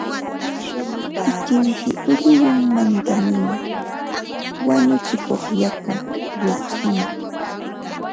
sikinpi ulluyunmanta miyu (wañuchikuq yaku) lluqsimun